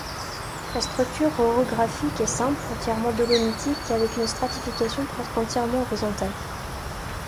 La structure orographique est simple, entièrement dolomitique, avec une stratification presque entièrement horizontale.